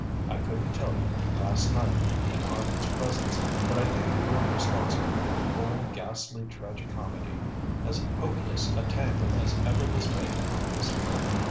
I couldn't tell you last night, in Harman's presence, but I think you're responsible for the whole ghastly tragi comedy as hopeless a tangle as ever was made on this earth!"